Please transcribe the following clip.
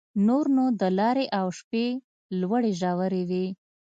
نور نو د لارې او شپې لوړې ژورې وې.